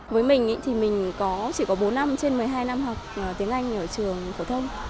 với mình thì mình có chỉ có bốn năm trên một mươi hai năm học tiếng anh ở trường phổ thông